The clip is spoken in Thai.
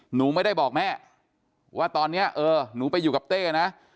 หนูไม่ได้บอกแม่ว่าตอนนี้เออหนูไปอยู่กับเต้นะ